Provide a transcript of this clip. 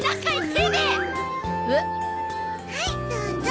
はいどうぞ。